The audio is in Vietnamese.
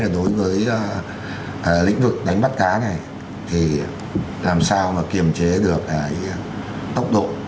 đối với lĩnh vực đánh bắt cá này thì làm sao mà kiềm chế được tốc độ